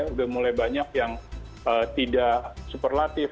sudah mulai banyak yang tidak superlatif